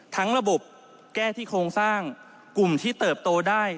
ระบบแก้ที่โครงสร้างกลุ่มที่เติบโตได้